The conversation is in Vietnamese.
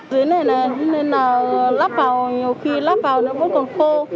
dưới này nên là lắp vào nhiều khi lắp vào nó vẫn còn khô